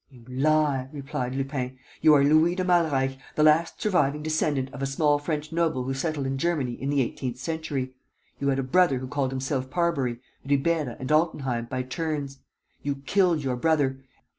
"You lie," replied Lupin. "You are Louis de Malreich, the last surviving descendant of a small French noble who settled in Germany in the eighteenth century. You had a brother who called himself Parbury, Ribeira and Altenheim, by turns: you killed your brother.